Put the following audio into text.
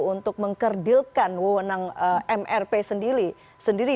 untuk mengkerdilkan wewenang mrp sendiri